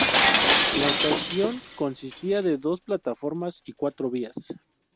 La estación consistía de dos plataformas y cuatro vías.